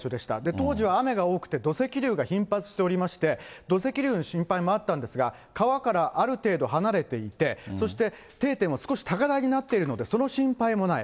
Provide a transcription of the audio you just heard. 当時は雨が多くて、土石流が頻発しておりまして、土石流の心配もあったんですが、川からある程度離れていて、そして定点が少し高台になっているので、その心配もない。